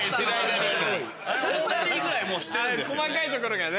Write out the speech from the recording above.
細かいところがね。